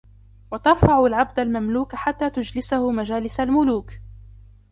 وَتَرْفَعُ الْعَبْدَ الْمَمْلُوكَ حَتَّى تُجْلِسَهُ مَجَالِسَ الْمُلُوكِ